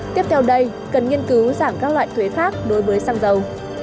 tiếp theo đây cần nghiên cứu giảm các loại thuế khác đối với xăng dầu